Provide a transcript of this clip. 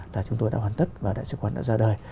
là chúng tôi đã hoàn tất và đại sứ quán đã ra đời